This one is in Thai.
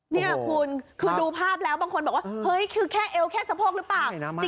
นี่คุณคือดูภาพแล้วบางคนบอกว่าเฮ้ยคือแค่เอวแค่สะโพกหรือเปล่า